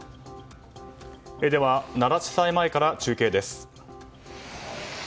奈良地裁前から中継です。